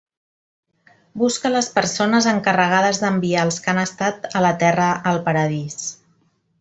Busca les persones encarregades d'enviar els que han estat a la Terra al paradís.